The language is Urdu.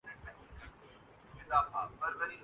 ہوا میں پرواز کر ہی اڑا دی ہیں